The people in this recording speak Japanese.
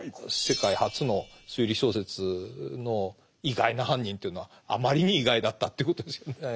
世界初の推理小説の意外な犯人というのはあまりに意外だったということですよね。